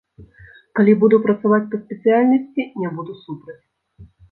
Калі буду працаваць па спецыяльнасці, не буду супраць.